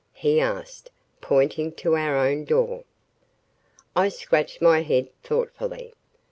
he asked, pointing to our own door. I scratched my head, thoughtfully.